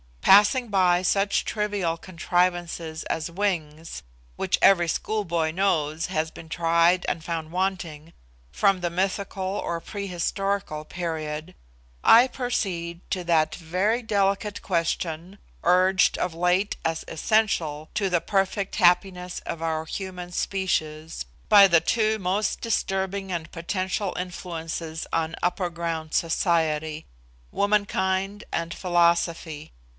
Passing by such trivial contrivances as wings, which every schoolboy knows has been tried and found wanting, from the mythical or pre historical period, I proceed to that very delicate question, urged of late as essential to the perfect happiness of our human species by the two most disturbing and potential influences on upper ground society, Womankind and Philosophy.